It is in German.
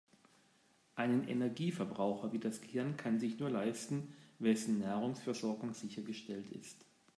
Einen Energieverbraucher wie das Gehirn kann sich nur leisten, wessen Nahrungsversorgung sichergestellt ist.